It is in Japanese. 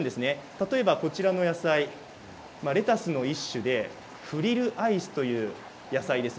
例えば、こちらの野菜レタスの一種でフリルアイスという野菜です。